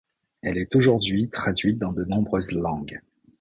Elle est aujourd'hui traduite dans de nombreuses langues.